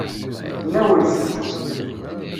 Tnawel seksu.